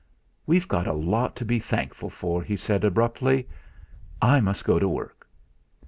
"We've got a lot to be thankful for!" he said abruptly. "I must go to work!"